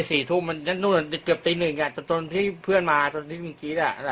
อะไรชั่วโมงนี่๔ทุ่มเกือบตีหนึ่งอ่ะจนที่เพื่อนมาจนที่เมื่อกี้ล่ะจนเพื่อนมา๒คนอ่ะ